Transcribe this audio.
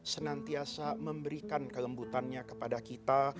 senantiasa memberikan kelembutannya kepada kita